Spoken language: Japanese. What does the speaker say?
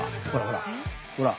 ほらほら。